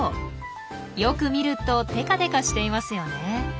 よく見るとテカテカしていますよね。